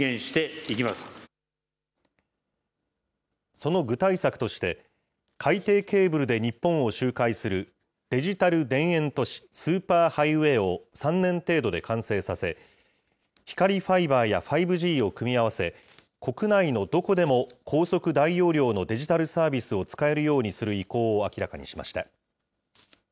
その具体策として、海底ケーブルで日本を周回する、デジタル田園都市スーパーハイウェイを３年程度で完成させ、光ファイバーや５Ｇを組み合わせ、国内のどこでも高速大容量のデジタルサービスを使えるようにする意向を明らかにしました。